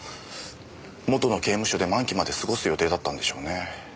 元の刑務所で満期まで過ごす予定だったんでしょうね。